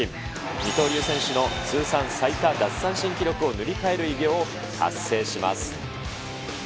二刀流選手の通算最多奪三振記録を塗り替える偉業を達成します。